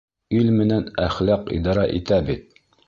Ил менән әхлаҡ идара итә бит.